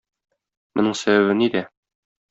Моның сәбәбе нидә?